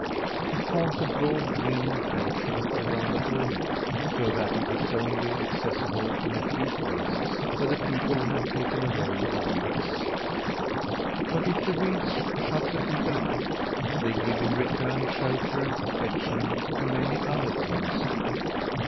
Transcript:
It forms a broad green enclosure around the whole lake, so that it is only accessible in a few places where the people have taken away the reeds. But if the reeds shut the people out, they give, in return, shelter and protection to many other things.